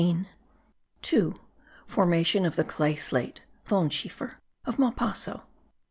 2. FORMATION OF THE CLAY SLATE (THONSCHIEFER) OF MALPASSO.